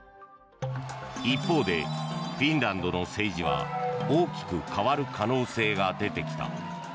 一方でフィンランドの政治は大きく変わる可能性が出てきた。